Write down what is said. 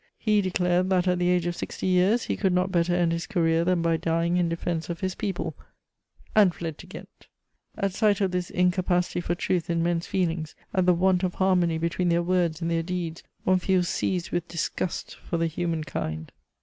He declared that, at the age of sixty years, he could not better end his career than by dying in defense of his people ... and fled to Ghent! At sight of this incapacity for truth in men's feelings, at the want of harmony between their words and their deeds, one feels seized with disgust for the human kind.